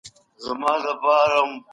علامه رشاد د پښتو نثر د ښکلا یو مثال دی.